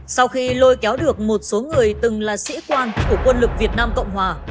sau khi lôi kéo được một số người từng là sĩ quan của quân lực việt nam cộng hòa